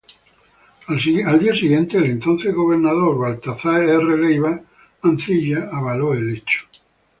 Al siguiente día el entonces gobernador Baltazar R. Leyva Mancilla avaló el hecho.